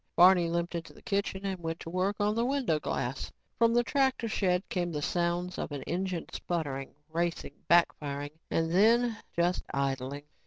Barney limped into the kitchen and went to work on the window glass. From the tractor shed came the sounds of an engine spluttering, racing, backfiring and then, just idling.